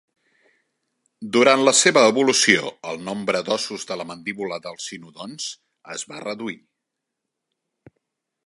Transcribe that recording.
Durant la seva evolució, el nombre d'ossos de la mandíbula dels cinodonts es va reduir.